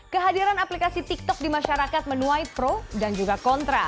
kehadiran aplikasi tiktok di masyarakat menuai pro dan juga kontra